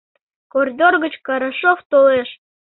Коридор гыч Карашов толеш.